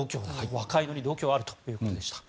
若いのに度胸があるということでした。